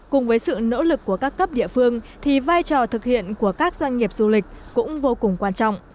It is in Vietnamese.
cùng với sự nỗ lực của các cấp địa phương thì vai trò thực hiện của các doanh nghiệp du lịch cũng vô cùng quan trọng